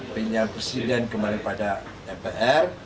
perintah presiden kembali pada mpr